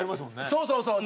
そうそうそう。